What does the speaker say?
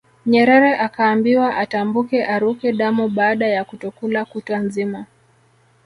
Nyerere akaambiwa atambuke aruke damu baada ya kutokula kutwa nzima